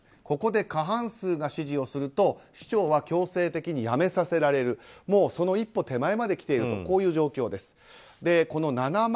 ここで過半数が支持をすると市長は強制的に辞めさせられるもう、その一歩手前まできている、こういう状況です。